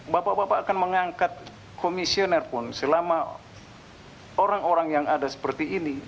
bapak bapak akan mengangkat komisioner pun selama orang orang yang ada seperti ini